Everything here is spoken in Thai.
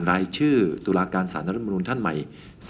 รายชื่อตุลาการสารรัฐมนุนท่านใหม่